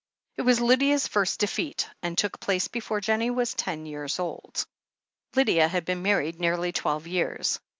It was Lydia's first defeat, and took place before Jennie was ten years old. Lydia had been married nearly twelve years.